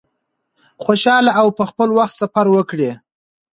خوشحاله او په خپل وخت سفر وکړی.